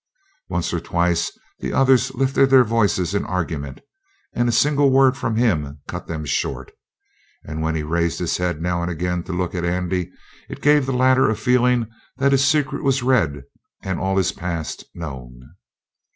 Once or twice the others lifted their voices in argument, and a single word from him cut them short. And when he raised his head, now and again, to look at Andy, it gave the latter a feeling that his secret was read and all his past known.